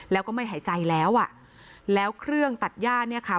แล้วก็ไม่หายใจแล้วอ่ะแล้วเครื่องตัดย่าเนี่ยค่ะ